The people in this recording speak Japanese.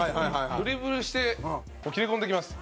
ドリブルして切れ込んでいきます。